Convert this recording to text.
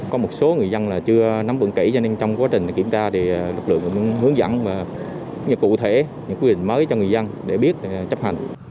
có một số người dân chưa nắm bận kỹ cho nên trong quá trình kiểm tra lực lượng muốn hướng dẫn cụ thể những quy định mới cho người dân để biết chấp hành